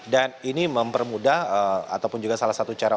dan ini mempermudah ataupun juga salah satu cara